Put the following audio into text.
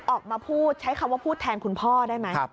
ออกมาพูดใช้คำว่าพูดแทนคุณพ่อได้ไหม